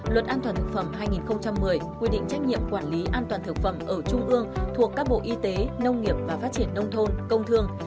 luật an toàn thực phẩm hai nghìn một mươi quy định trách nhiệm quản lý an toàn thực phẩm ở trung ương thuộc các bộ y tế nông nghiệp và phát triển nông thôn công thương